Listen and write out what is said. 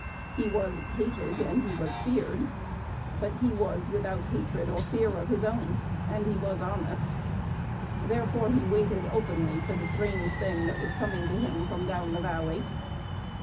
He was hated and he was feared, but he was without hatred or fear of his own and he was honest. Therefore he waited openly for the strange thing that was coming to him from down the valley.